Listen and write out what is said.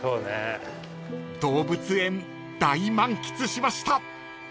［動物園大満喫しました］